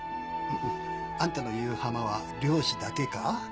フフっあんたの言う浜は漁師だけか？